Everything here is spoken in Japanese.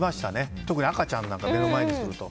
特に赤ちゃんなんか目の前にすると。